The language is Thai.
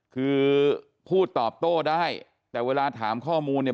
คือพูดตอบโต้ได้แต่เวลาถามข้อมูลเนี่ย